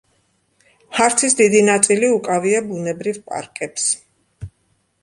ჰარცის დიდი ნაწილი უკავია ბუნებრივ პარკებს.